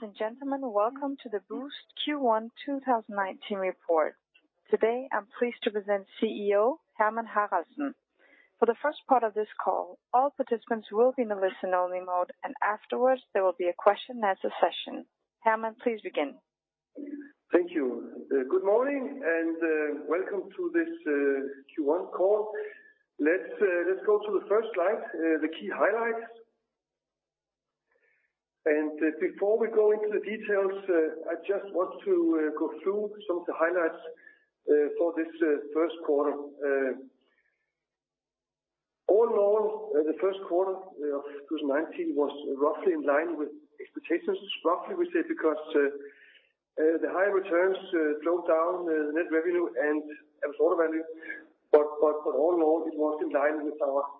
Ladies and gentlemen, welcome to the Boozt Q1 2019 report. Today I'm pleased to present CEO Hermann Haraldsson. For the first part of this call, all participants will be in the listen-only mode, and afterwards there will be a question-and-answer session. Hermann, please begin. Thank you. Good morning and welcome to this Q1 call. Let's go to the first slide, the key highlights. Before we go into the details, I just want to go through some of the highlights for this first quarter. All in all, the first quarter of 2019 was roughly in line with expectations, roughly we say, because the high returns drove down the net revenue and average order value. All in all, it was in line with our expectations.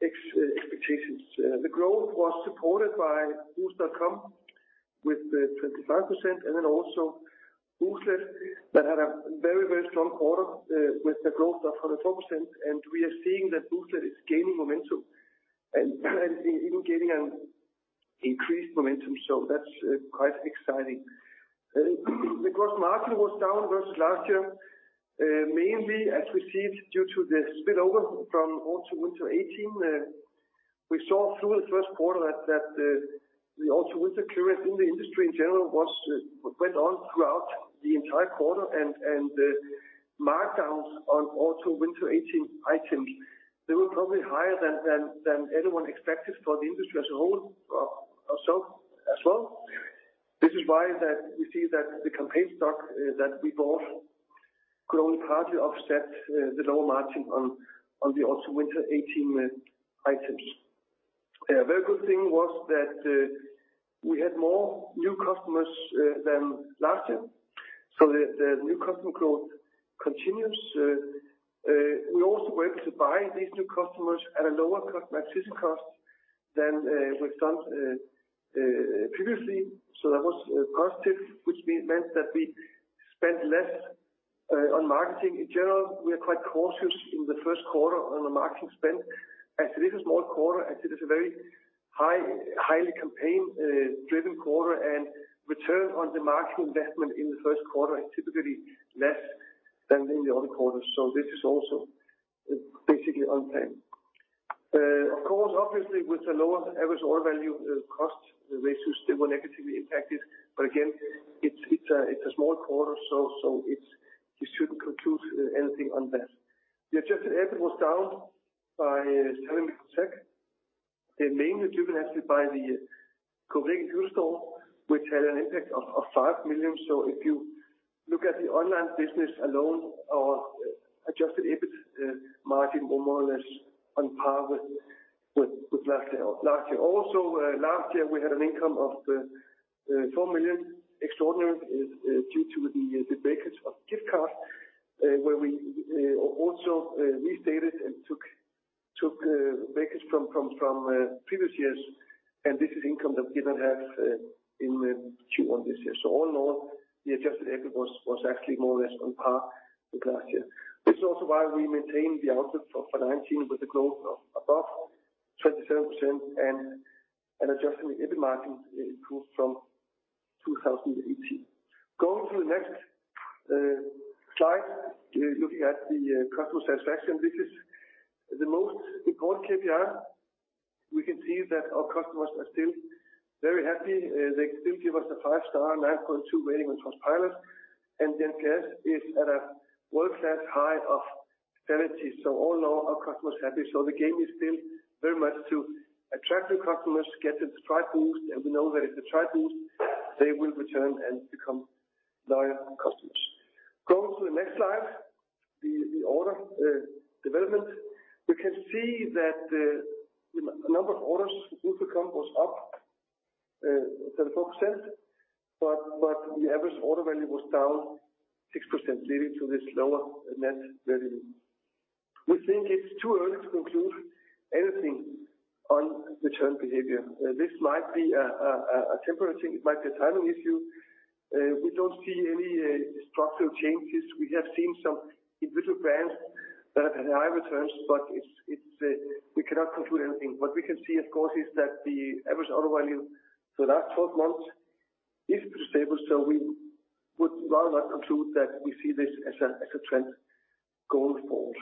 The growth was supported by Boozt.com with 25% and then also Booztlet that had a very, very strong quarter with a growth of 104%. We are seeing that Booztlet is gaining momentum and even gaining an increased momentum, so that's quite exciting. The gross margin was down versus last year, mainly as we see it due to the spillover from Autumn/Winter 2018. We saw through the first quarter that the Autumn/Winter clearance in the industry in general went on throughout the entire quarter and markdowns on Autumn/Winter 2018 items. They were probably higher than anyone expected for the industry as well. This is why we see that the campaign stock that we bought could only partly offset the lower margin on the Autumn/Winter 2018 items. A very good thing was that we had more new customers than last year, so the new customer growth continues. We also were able to buy these new customers at a lower maximum cost than we've done previously, so that was positive, which meant that we spent less on marketing. In general, we are quite cautious in the first quarter on the marketing spend as it is a small quarter, as it is a very highly campaign-driven quarter, and return on the marketing investment in the first quarter is typically less than in the other quarters. So this is also basically unplanned. Of course, obviously, with the lower average order value cost ratio, they were negatively impacted. But again, it's a small quarter, so you shouldn't conclude anything on that. The Adjusted EBIT was down by 7%, mainly driven actually by the Copenhagen beauty store, which had an impact of 5 million. So if you look at the online business alone, our Adjusted EBIT margin was more or less on par with last year. Also, last year, we had an income of 4 million extraordinary due to the gift card breakage, where we also restated and took gift card breakage from previous years. This is income that we did not have in Q1 this year. So all in all, the Adjusted EBIT was actually more or less on par with last year. This is also why we maintained the outlook for 2019 with a growth of above 27% and an Adjusted EBIT margin improved from 2018. Going to the next slide, looking at the customer satisfaction, this is the most important KPI. We can see that our customers are still very happy. They still give us a 5-star, 9.2 rating on Trustpilot. And then NPS is at a world-class high of 70. So all in all, our customer's happy. The game is still very much to attract new customers, get them to try Boozt, and we know that if they try Boozt, they will return and become loyal customers. Going to the next slide, the order development, we can see that the number of orders from Boozt.com was up 74%, but the average order value was down 6%, leading to this lower net revenue. We think it's too early to conclude anything on return behavior. This might be a temporary thing. It might be a timing issue. We don't see any structural changes. We have seen some individual brands that have had high returns, but we cannot conclude anything. What we can see, of course, is that the average order value for the last 12 months is pretty stable, so we would rather not conclude that we see this as a trend going forward.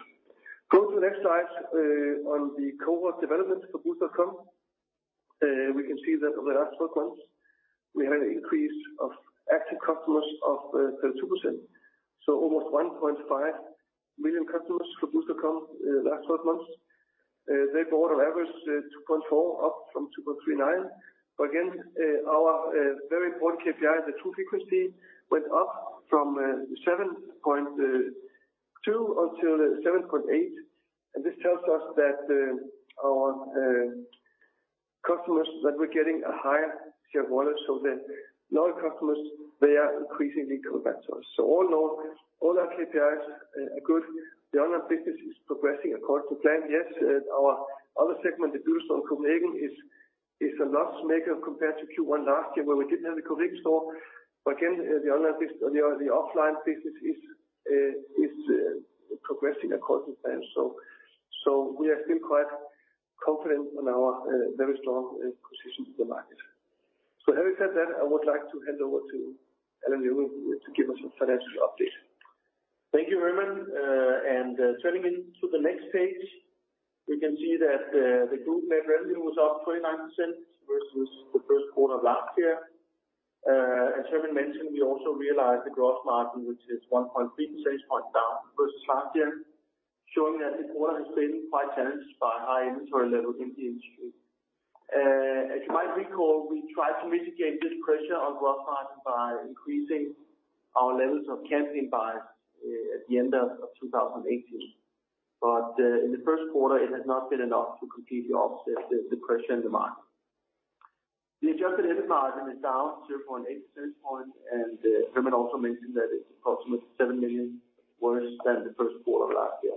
Going to the next slide on the cohort development for Boozt.com, we can see that over the last 12 months, we had an increase of active customers of 32%, so almost 1.5 million customers for Boozt.com last 12 months. They bought on average 2.4, up from 2.39. But again, our very important KPI, the true frequency, went up from 7.2 until 7.8. And this tells us that our customers that were getting a higher share of orders, so the loyal customers, they are increasingly coming back to us. So all in all, all our KPIs are good. The online business is progressing according to plan. Yes, our Other segment, the Copenhagen beauty store, is a loss maker compared to Q1 last year, where we didn't have the Copenhagen Store. But again, the offline business is progressing according to plan. So we are still quite confident on our very strong position in the market. So having said that, I would like to hand over to Allan Junge-Jensen to give us a financial update. Thank you, Hermann. Turning into the next page, we can see that the group net revenue was up 29% versus the first quarter of last year. As Hermann mentioned, we also realized the gross margin, which is 1.3 percentage points down versus last year, showing that the quarter has been quite challenged by high inventory levels in the industry. As you might recall, we tried to mitigate this pressure on gross margin by increasing our levels of campaign buyers at the end of 2018. But in the first quarter, it has not been enough to completely offset the pressure in the market. The Adjusted EBIT margin is down 0.8 percentage points, and Hermann also mentioned that it's approximately 7 million worse than the first quarter of last year.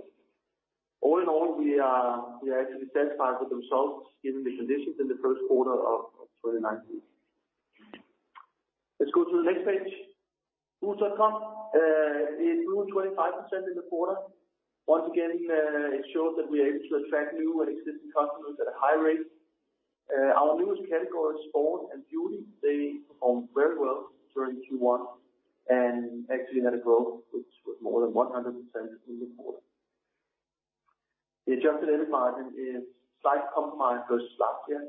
All in all, we are actually satisfied with the results given the conditions in the first quarter of 2019. Let's go to the next page. Boozt.com, it grew 25% in the quarter. Once again, it shows that we are able to attract new and existing customers at a high rate. Our newest categories, sports and beauty, they performed very well during Q1 and actually had a growth which was more than 100% in the quarter. The Adjusted EBIT margin is slightly compromised versus last year,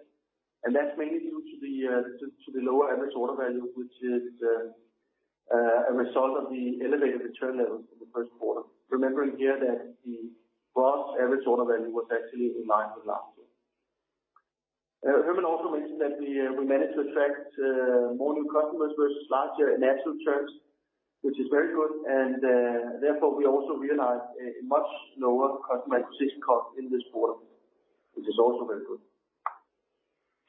and that's mainly due to the lower average order value, which is a result of the elevated return levels in the first quarter. Remembering here that the gross average order value was actually in line with last year. Hermann also mentioned that we managed to attract more new customers versus last year in actual terms, which is very good. And therefore, we also realized a much lower customer acquisition cost in this quarter, which is also very good.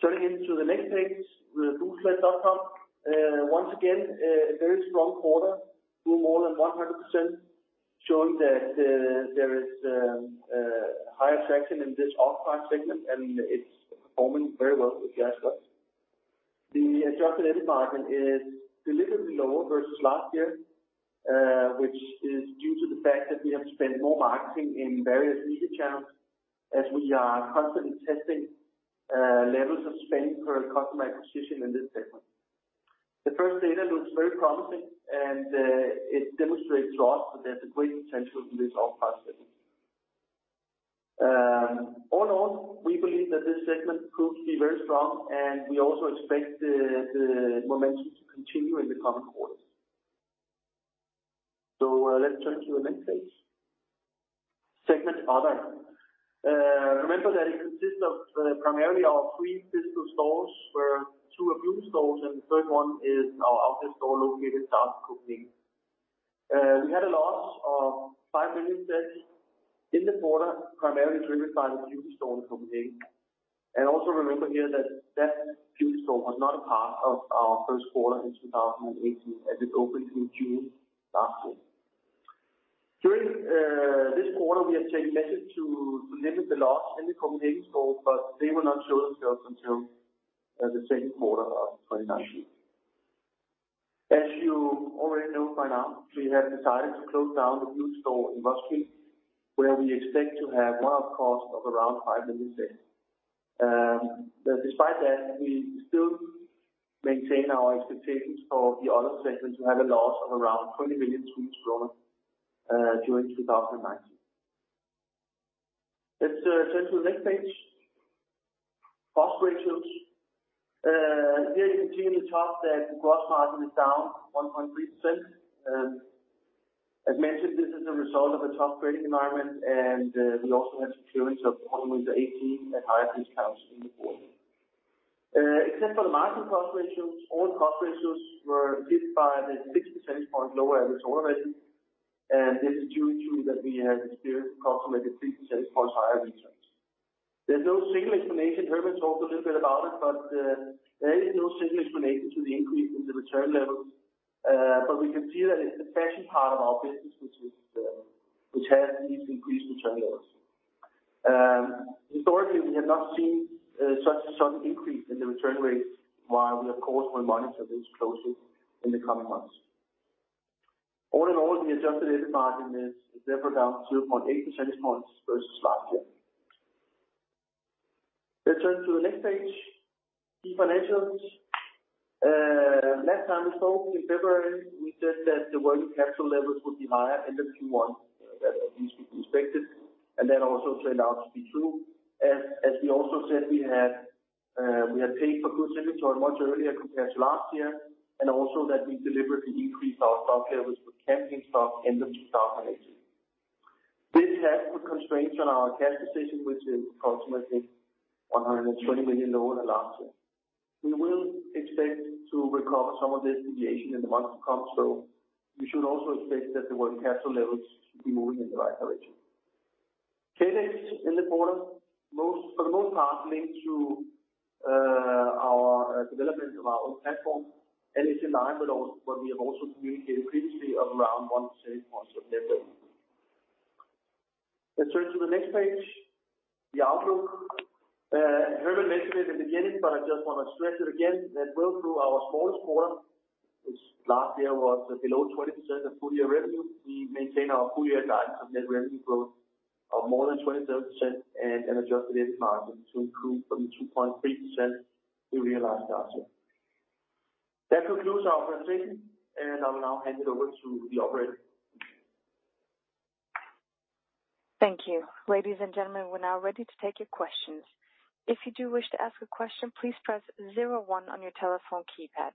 Turning into the next page, Booztlet.com, once again, a very strong quarter, grew more than 100%, showing that there is high attraction in this off-price segment, and it's performing very well, if you ask us. The Adjusted EBIT margin is deliberately lower versus last year, which is due to the fact that we have spent more marketing in various media channels as we are constantly testing levels of spending per customer acquisition in this segment. The first data looks very promising, and it demonstrates to us that there's a great potential in this off-price segment. All in all, we believe that this segment proves to be very strong, and we also expect the momentum to continue in the coming quarters. So let's turn to the next page. Segment Other. Remember that it consists of primarily our three physical stores, where two are Boozt stores, and the third one is our outlet store located south of Copenhagen. We had a loss of 5 million in the quarter, primarily driven by the beauty store in Copenhagen. Also remember here that that beauty store was not a part of our first quarter in 2018 as it opened in June last year. During this quarter, we have sent messages to limit the loss in the Copenhagen store, but they will not show themselves until the second quarter of 2019. As you already know by now, we have decided to close down the beauty store in Roskilde, where we expect to have one-off costs of around SEK 5 million. Despite that, we still maintain our expectations for the Other segment to have a loss of around 20 million Swedish kronor during 2019. Let's turn to the next page. Cost ratios. Here, you can see in the top that the gross margin is down 1.3%. As mentioned, this is a result of a tough trading environment, and we also had some clearance of Autumn/Winter 2018 at higher discounts in the quarter. Except for the marketing cost ratios, all the cost ratios were hit by the six percentage points lower average order value. And this is due to that we have experienced the cost of maybe three percentage points higher returns. There's no single explanation. Hermann told a little bit about it, but there is no single explanation to the increase in the return levels. But we can see that it's the fashion part of our business which has these increased return levels. Historically, we have not seen such a sudden increase in the return rates while we, of course, will monitor this closely in the coming months. All in all, the Adjusted EBIT margin is down 0.8 percentage points versus last year. Let's turn to the next page. Key financials. Last time we spoke in February, we said that the working capital levels would be higher end of Q1 than at least we expected, and that also turned out to be true. As we also said, we had paid for goods inventory much earlier compared to last year, and also that we deliberately increased our stock levels for campaign stock end of 2018. This has put constraints on our cash position, which is approximately 120 million lower than last year. We will expect to recover some of this deviation in the months to come, so you should also expect that the working capital levels should be moving in the right direction. CapEx in the quarter, for the most part, linked to our development of our own platform, and it's in line with what we have also communicated previously of around one percentage point of net revenue. Let's turn to the next page. The outlook. Hermann mentioned it in the beginning, but I just want to stress it again that well through our smallest quarter, which last year was below 20% of full-year revenue, we maintain our full-year guidance of net revenue growth of more than 27% and an Adjusted EBIT margin to improve from the 2.3% we realized last year. That concludes our presentation, and I will now hand it over to the operator. Thank you. Ladies and gentlemen, we're now ready to take your questions. If you do wish to ask a question, please press zero one on your telephone keypad.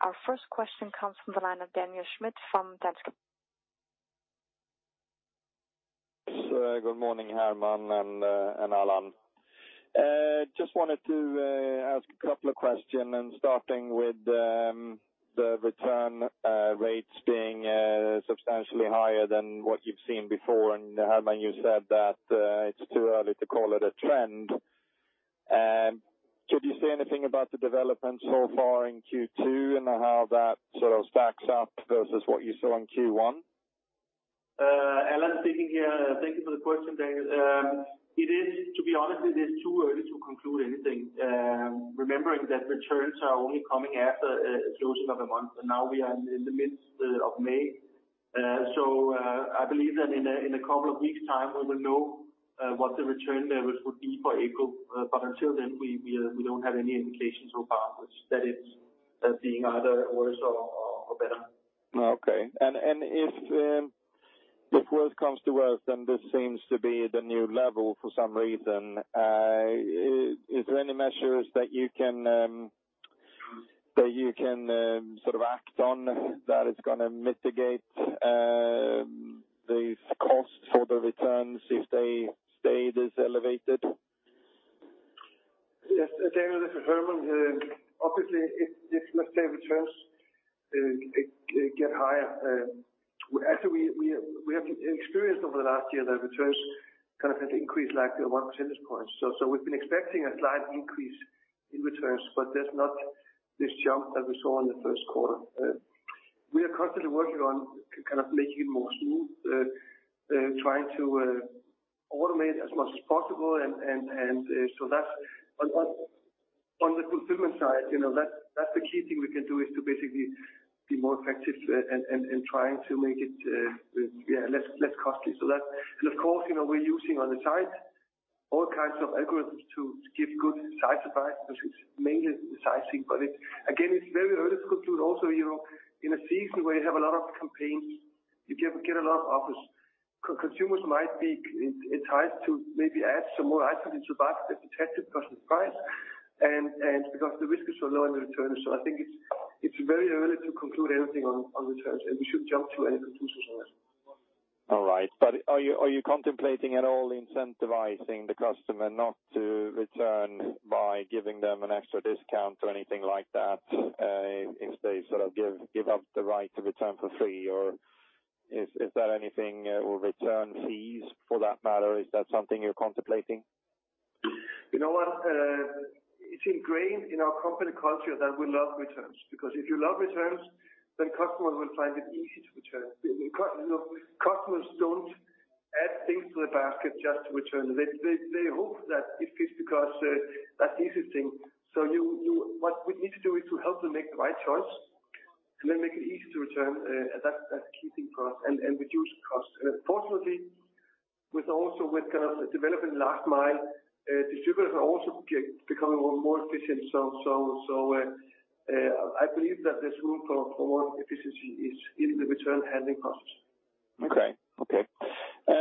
Our first question comes from the line of Daniel Schmidt from Danske Bank. Good morning, Hermann and Allan. Just wanted to ask a couple of questions, starting with the return rates being substantially higher than what you've seen before. Hermann, you said that it's too early to call it a trend. Could you say anything about the development so far in Q2 and how that sort of stacks up versus what you saw in Q1? Allan speaking here. Thank you for the question, Daniel. To be honest, it is too early to conclude anything, remembering that returns are only coming after a closing of a month. Now we are in the midst of May. I believe that in a couple of weeks' time, we will know what the return levels would be for April. Until then, we don't have any indications so far that it's being either worse or better. Okay. If worse comes to worse, then this seems to be the new level for some reason. Is there any measures that you can sort of act on that is going to mitigate these costs for the returns if they stay this elevated? Yes. Daniel, this is Hermann. Obviously, if flexible returns get higher, actually, we have experienced over the last year that returns kind of had increased like one percentage points. So we've been expecting a slight increase in returns, but there's not this jump that we saw in the first quarter. We are constantly working on kind of making it more smooth, trying to automate as much as possible. And so on the fulfillment side, that's the key thing we can do is to basically be more effective and trying to make it, yeah, less costly. And of course, we're using on the site all kinds of algorithms to give good size advice, which is mainly the sizing. But again, it's very early to conclude also. In a season where you have a lot of campaigns, you get a lot of offers, consumers might be enticed to maybe add some more items into the basket if it's at the customer's price because the risk is so low and the return is. So I think it's very early to conclude anything on returns, and we shouldn't jump to any conclusions on that. All right. But are you contemplating at all incentivizing the customer not to return by giving them an extra discount or anything like that if they sort of give up the right to return for free? Or is there anything or return fees for that matter? Is that something you're contemplating? You know what? It's ingrained in our company culture that we love returns because if you love returns, then customers will find it easy to return. Customers don't add things to the basket just to return. They hope that it fits because that's the easiest thing. So what we need to do is to help them make the right choice and then make it easy to return. And that's a key thing for us and reduce costs. And fortunately, also with kind of developing the last mile, distributors are also becoming more efficient. So I believe that there's room for more efficiency in the return handling process. Okay. Okay.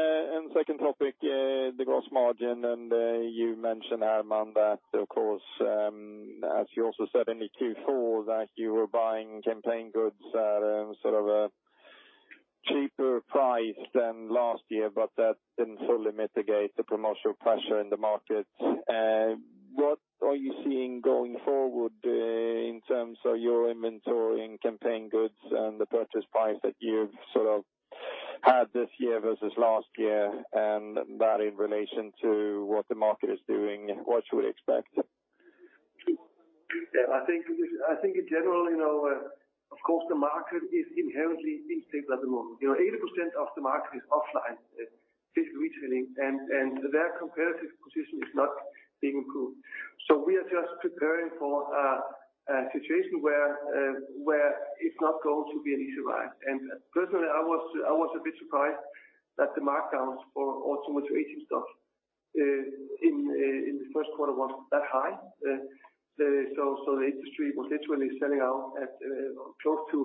Second topic, the gross margin. You mentioned, Hermann, that, of course, as you also said in Q4, that you were buying campaign goods at sort of a cheaper price than last year, but that didn't fully mitigate the promotional pressure in the market. What are you seeing going forward in terms of your inventory and campaign goods and the purchase price that you've sort of had this year versus last year? And that in relation to what the market is doing, what should we expect? Yeah. I think in general, of course, the market is inherently unstable at the moment. 80% of the market is offline, physical retailing, and their comparative position is not being improved. So we are just preparing for a situation where it's not going to be an easy ride. And personally, I was a bit surprised that the markdowns for Autumn/Winter 2018 stuff in the first quarter was that high. So the industry was literally selling out at close to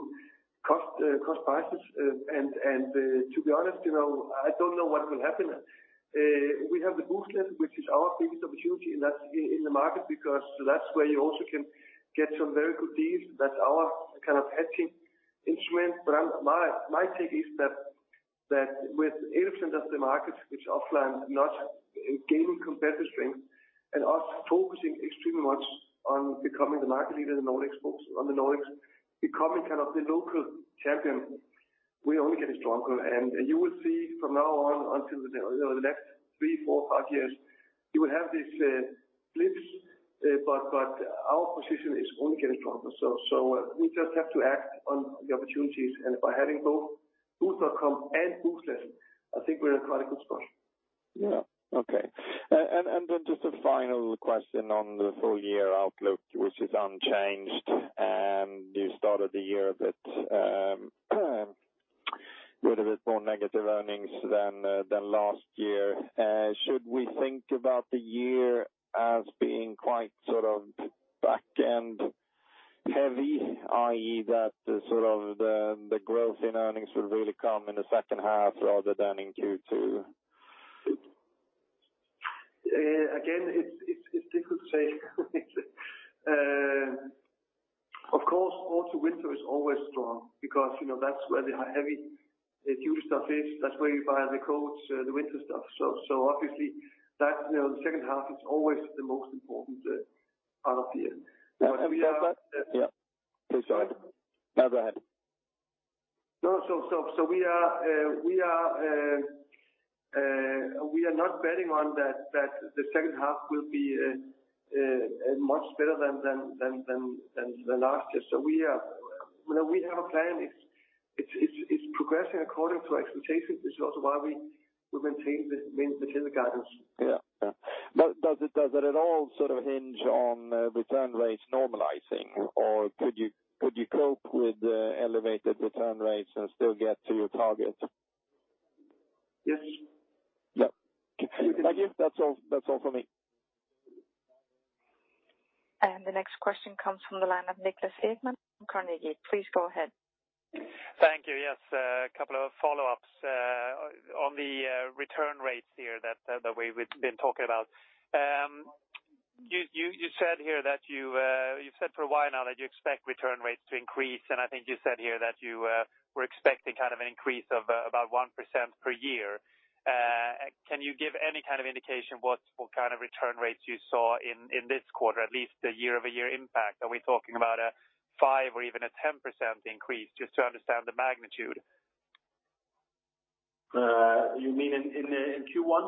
cost prices. And to be honest, I don't know what will happen. We have the Booztlet, which is our biggest opportunity in the market because that's where you also can get some very good deals. That's our kind of hedging instrument. My take is that with 80% of the market, which is offline, not gaining competitive strength and us focusing extremely much on becoming the market leader in the Nordics, becoming kind of the local champion, we're only getting stronger. You will see from now on until the next three, four, five years, you will have these flips, but our position is only getting stronger. We just have to act on the opportunities. By having both Boozt.com and Booztlet, I think we're in a quite a good spot. Yeah. Okay. And then just a final question on the full-year outlook, which is unchanged. And you started the year with a bit more negative earnings than last year. Should we think about the year as being quite sort of back-end heavy, i.e., that sort of the growth in earnings would really come in the second half rather than in Q2? Again, it's difficult to say. Of course, Autumn/Winter is always strong because that's where the heavy beauty stuff is. That's where you buy the coats, the winter stuff. So obviously, the second half is always the most important part of the year. But we are. Yeah. Please go ahead. No, go ahead. No, no. So we are not betting on that the second half will be much better than last year. So we have a plan. It's progressing according to expectations, which is also why we maintain the tailored guidance. Yeah. Yeah. Does it at all sort of hinge on return rates normalizing, or could you cope with elevated return rates and still get to your target? Yes. Yep. Thank you. That's all from me. The next question comes from the line of Niklas Ekman from Carnegie. Please go ahead. Thank you. Yes. A couple of follow-ups on the return rates here that we've been talking about. You said here that you've said for a while now that you expect return rates to increase. And I think you said here that you were expecting kind of an increase of about 1% per year. Can you give any kind of indication what kind of return rates you saw in this quarter, at least the year-over-year impact? Are we talking about a 5% or even a 10% increase, just to understand the magnitude? You mean in Q1?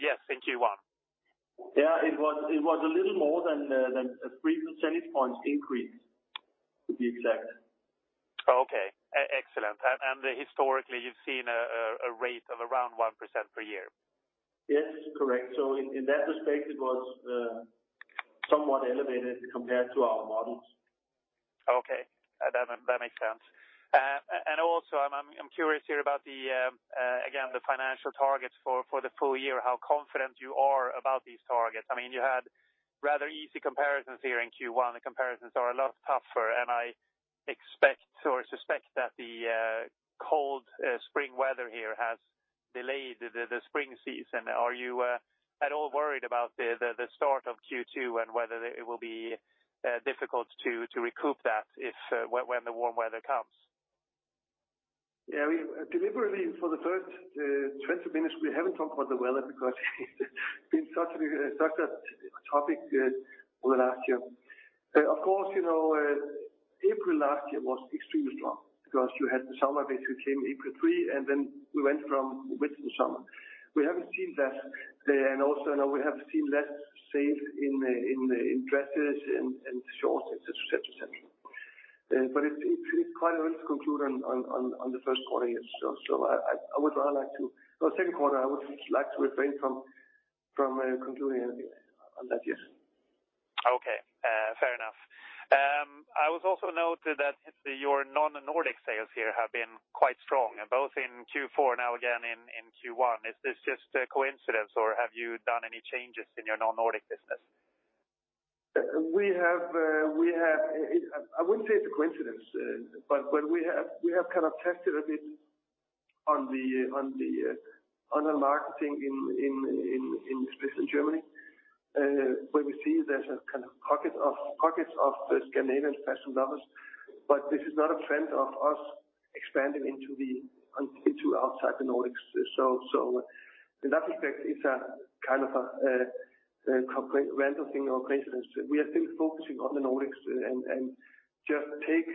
Yes, in Q1. Yeah. It was a little more than a three percentage point increase, to be exact. Okay. Excellent. And historically, you've seen a rate of around 1% per year? Yes, correct. So in that respect, it was somewhat elevated compared to our models. Okay. That makes sense. And also, I'm curious here about, again, the financial targets for the full year, how confident you are about these targets. I mean, you had rather easy comparisons here in Q1. The comparisons are a lot tougher. And I expect or suspect that the cold spring weather here has delayed the spring season. Are you at all worried about the start of Q2 and whether it will be difficult to recoup that when the warm weather comes? Yeah. Deliberately, for the first 20 minutes, we haven't talked about the weather because it's been such a topic over the last year. Of course, April last year was extremely strong because you had the summer basically came in April 3rd, and then we went from winter to summer. We haven't seen that. And also, we have seen less sales in dresses and shorts, etc., etc., etc. But it's quite early to conclude on the first quarter yet. So I would rather like to or second quarter, I would like to refrain from concluding anything on that. Yes. Okay. Fair enough. I also noted that your non-Nordic sales here have been quite strong, both in Q4 and now again in Q1. Is this just a coincidence, or have you done any changes in your non-Nordic business? We have. I wouldn't say it's a coincidence, but we have kind of tested a bit on the marketing, especially in Germany, where we see there's a kind of pocket of Scandinavian fashion lovers. But this is not a trend of us expanding into outside the Nordics. So in that respect, it's kind of a random thing or coincidence. We are still focusing on the Nordics and just take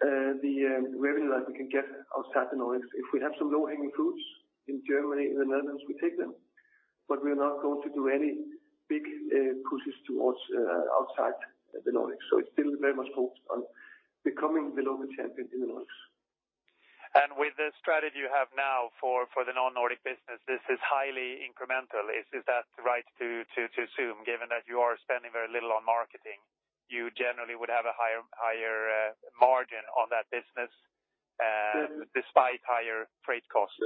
the revenue that we can get outside the Nordics. If we have some low-hanging fruits in Germany, in the Netherlands, we take them. But we are not going to do any big pushes towards outside the Nordics. So it's still very much focused on becoming the local champion in the Nordics. With the strategy you have now for the non-Nordic business, this is highly incremental. Is that right to assume? Given that you are spending very little on marketing, you generally would have a higher margin on that business despite higher freight costs.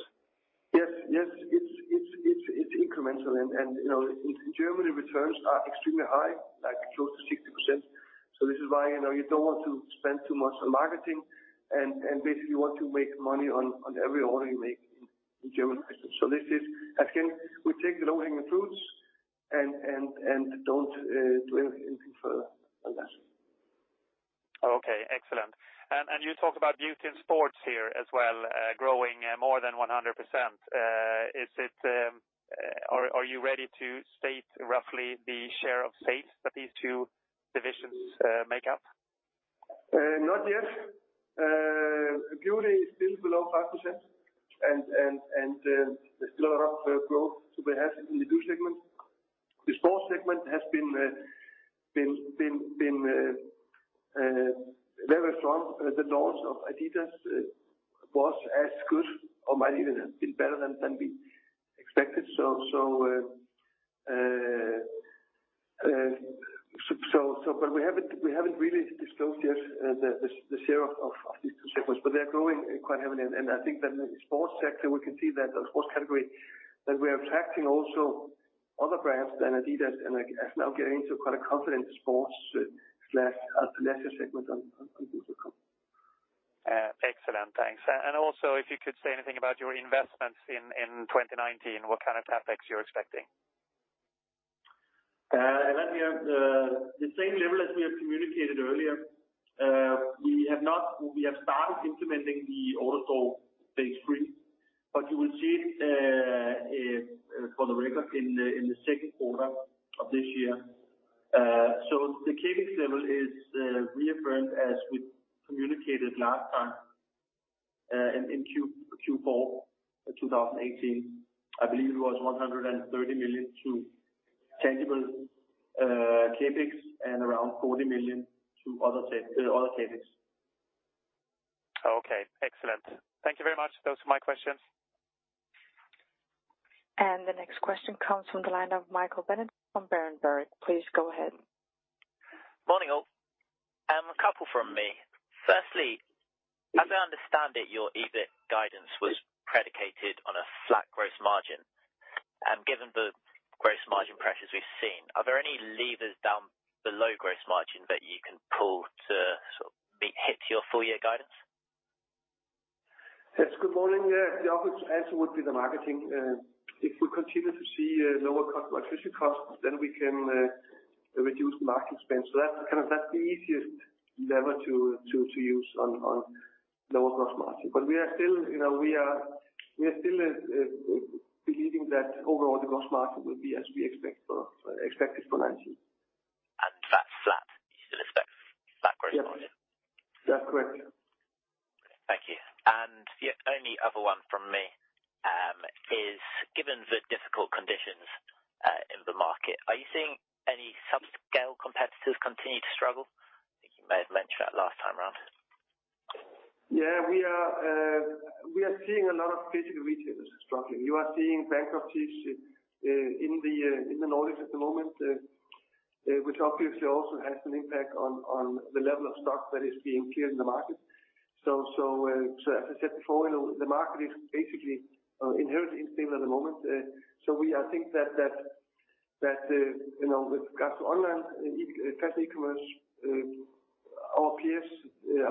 Yes. Yes. It's incremental. And in Germany, returns are extremely high, close to 60%. So this is why you don't want to spend too much on marketing and basically want to make money on every order you make in German fashion. So again, we take the low-hanging fruits and don't do anything further than that. Okay. Excellent. And you talked about beauty and sports here as well, growing more than 100%. Are you ready to state roughly the share of sales that these two divisions make up? Not yet. Beauty is still below 5%, and there's still a lot of growth to be had in the beauty segment. The sports segment has been very strong. The launch of Adidas was as good or might even have been better than we expected. But we haven't really disclosed yet the share of these two segments. But they are growing quite heavily. And I think that in the sports sector, we can see that sports category, that we are attracting also other brands than Adidas and are now getting into quite a confident sports/alternative segment on Boozt.com. Excellent. Thanks. And also, if you could say anything about your investments in 2019, what kind of CapEx you're expecting? Again, the same level as we have communicated earlier, we have started implementing the AutoStore stage three. But you will see it for the record in the second quarter of this year. So the CapEx level is reaffirmed as we communicated last time in Q4 of 2018. I believe it was 130 million to tangible CapEx and around 40 million to other CapEx. Okay. Excellent. Thank you very much. Those are my questions. The next question comes from the line of Michael Benedict from Berenberg. Please go ahead. Morning, All. A couple from me. Firstly, as I understand it, your EBIT guidance was predicated on a flat gross margin. Given the gross margin pressures we've seen, are there any levers down below gross margin that you can pull to sort of hit your full-year guidance? Yes. Good morning. The obvious answer would be the marketing. If we continue to see lower acquisition costs, then we can reduce marketing expense. So kind of that's the easiest lever to use on lower gross margin. But we are still believing that overall, the gross margin will be as we expected for 2019. That's flat. You still expect flat gross margin? Yes. That's correct. Thank you. The only other one from me is, given the difficult conditions in the market, are you seeing any subscale competitors continue to struggle? I think you may have mentioned that last time, Ron. Yeah. We are seeing a lot of physical retailers struggling. You are seeing bankruptcies in the Nordics at the moment, which obviously also has an impact on the level of stock that is being cleared in the market. So as I said before, the market is basically inherently unstable at the moment. So I think that with regards to online fashion e-commerce, our peers,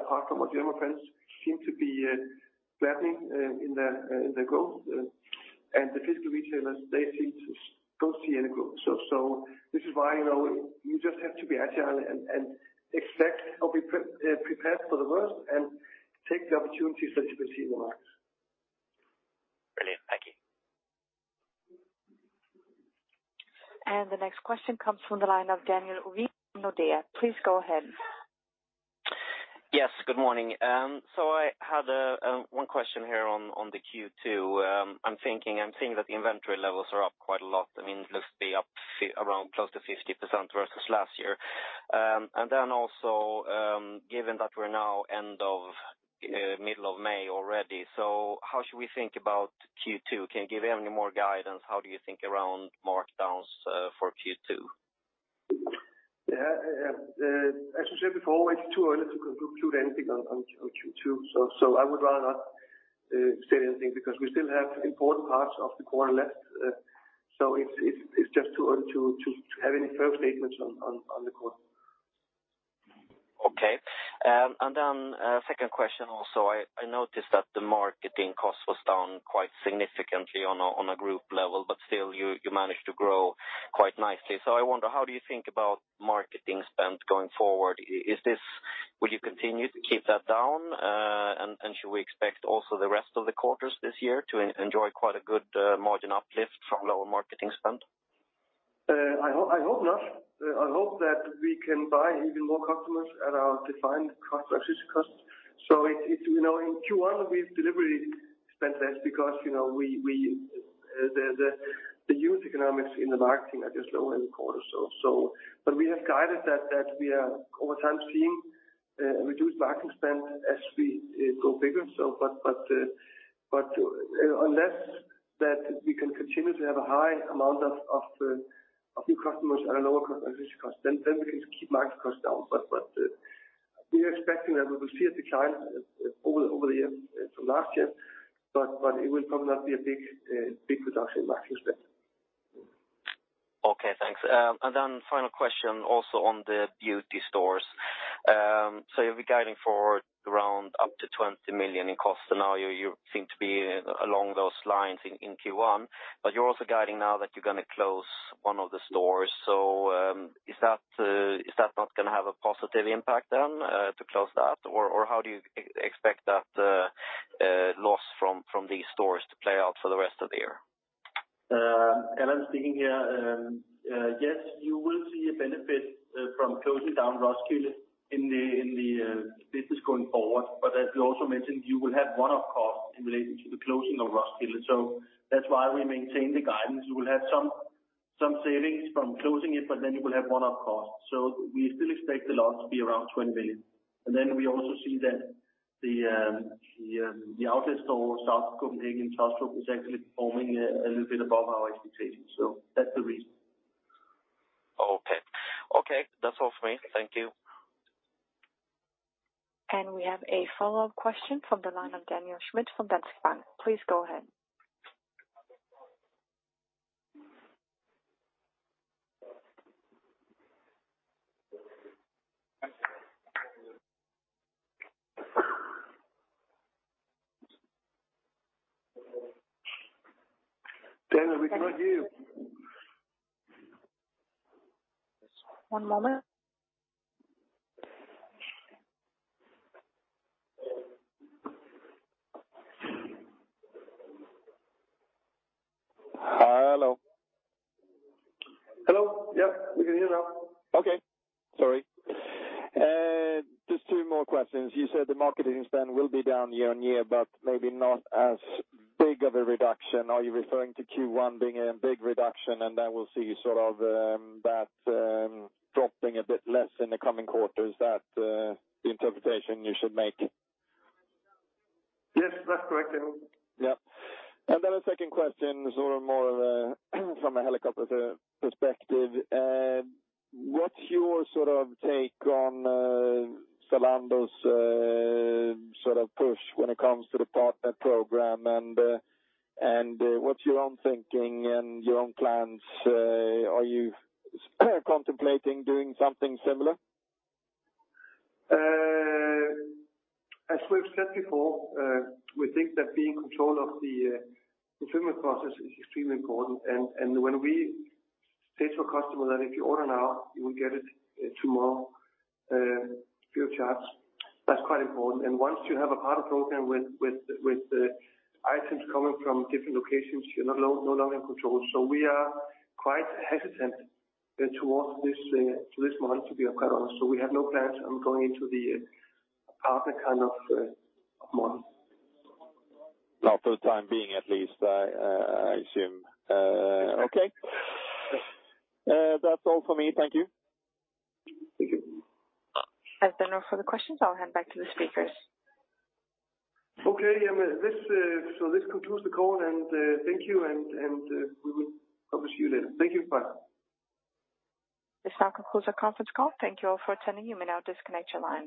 apart from our German friends, seem to be flattening in their growth. The physical retailers, they seem to don't see any growth. So this is why you just have to be agile and expect or be prepared for the worst and take the opportunities that you can see in the market. Brilliant. Thank you. The next question comes from the line of Daniel Ovin from Nordea. Please go ahead. Yes. Good morning. So I had one question here on the Q2. I'm seeing that the inventory levels are up quite a lot. I mean, it looks to be up close to 50% versus last year. And then also, given that we're now middle of May already, so how should we think about Q2? Can you give any more guidance? How do you think around markdowns for Q2? Yeah. As I said before, it's too early to conclude anything on Q2. So I would rather not say anything because we still have important parts of the quarter left. So it's just too early to have any first statements on the quarter. Okay. Second question also. I noticed that the marketing cost was down quite significantly on a group level, but still, you managed to grow quite nicely. I wonder, how do you think about marketing spend going forward? Will you continue to keep that down? Should we expect also the rest of the quarters this year to enjoy quite a good margin uplift from lower marketing spend? I hope not. I hope that we can buy even more customers at our defined cost of acquisition. So in Q1, we've deliberately spent less because the unit economics in the marketing are just lower in the quarter. But we have guided that we are over time seeing reduced marketing spend as we go bigger. But unless we can continue to have a high amount of new customers at a lower cost of acquisition cost, then we can keep marketing costs down. But we are expecting that we will see a decline over the year from last year, but it will probably not be a big reduction in marketing spend. Okay. Thanks. And then final question also on the beauty stores. So you'll be guiding for around up to 20 million in cost. And now you seem to be along those lines in Q1. But you're also guiding now that you're going to close one of the stores. So is that not going to have a positive impact then to close that? Or how do you expect that loss from these stores to play out for the rest of the year? Allan speaking here. Yes, you will see a benefit from closing down Roskilde in the business going forward. But as you also mentioned, you will have one-off costs in relation to the closing of Roskilde. So that's why we maintain the guidance. You will have some savings from closing it, but then you will have one-off costs. So we still expect the loss to be around 20 million. And then we also see that the outlet store south of Copenhagen in Taastrup is actually performing a little bit above our expectations. So that's the reason. Okay. Okay. That's all from me. Thank you. We have a follow-up question from the line of Daniel Schmidt from Danske Bank. Please go ahead. Daniel, we cannot hear you. One moment. Hello. Hello. Yep. We can hear now. Okay. Sorry. Just two more questions. You said the marketing spend will be down year-on-year, but maybe not as big of a reduction. Are you referring to Q1 being a big reduction and then we'll see sort of that dropping a bit less in the coming quarters? Is that the interpretation you should make? Yes. That's correct, Daniel. Yep. And then a second question, sort of more from a helicopter perspective. What's your sort of take on Zalando's sort of push when it comes to the Partner Program? And what's your own thinking and your own plans? Are you contemplating doing something similar? As we've said before, we think that being in control of the procurement process is extremely important. When we state to a customer that if you order now, you will get it tomorrow free of charge, that's quite important. Once you have a Partner Program with items coming from different locations, you're no longer in control. We are quite hesitant towards this model, to be quite honest. We have no plans on going into the partner kind of model. Now, first time being at least, I assume. Okay. That's all from me. Thank you. Thank you. As there are no further questions, I'll hand back to the speakers. Okay. This concludes the call, and thank you. We will probably see you later. Thank you. Bye. This now concludes our conference call. Thank you all for attending. You may now disconnect your line.